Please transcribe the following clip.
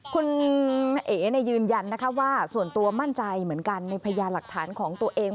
คุณเอ๋ยืนยันนะคะว่าส่วนตัวมั่นใจเหมือนกันในพยานหลักฐานของตัวเอง